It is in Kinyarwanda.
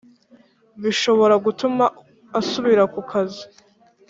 bishobora gutuma asubira ku kazi